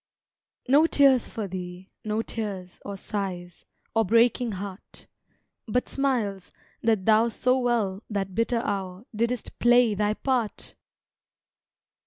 No tears for thee, no tears, or sighs, Or breaking heart But smiles, that thou so well that bitter hour Didst play thy part!